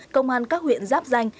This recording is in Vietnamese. công an các huyện giáp danh